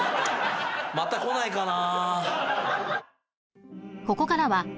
また来ないかな。